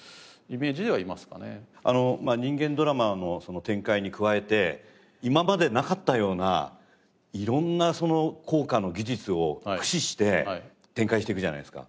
人間ドラマの展開に加えて今までなかったような色んな効果の技術を駆使して展開していくじゃないですか。